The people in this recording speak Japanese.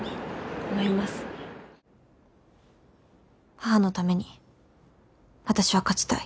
「母のために私は勝ちたい」